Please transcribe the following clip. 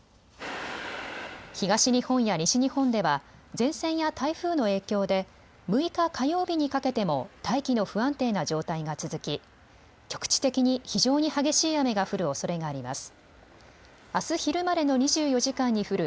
東日本や西日本では前線や台風の影響で６日火曜日にかけても大気の不安定な状態が続き局地的に非常に激しい雨が降るおそれがあります。